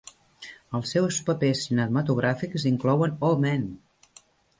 Els seus paper cinematogràfics inclouen Oh, Men!